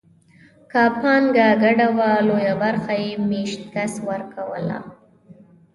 که پانګه ګډه وه لویه برخه یې مېشت کس ورکوله.